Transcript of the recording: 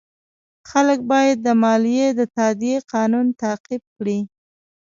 خلک باید د مالیې د تادیې قانون تعقیب کړي.